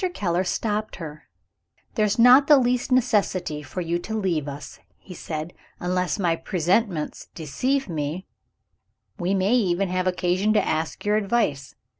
Keller stopped her. "There is not the least necessity for you to leave us," he said. "Unless my presentiments deceive me, we may even have occasion to ask your advice.